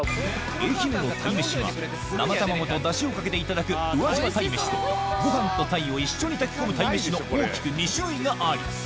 愛媛の鯛めしは生卵とダシをかけていただく宇和島鯛めしとご飯と鯛を一緒に炊き込む鯛めしの大きく２種類があり